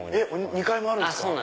２階もあるんですか！